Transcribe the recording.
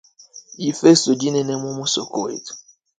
Ndifesto dinene mu musoko wetu.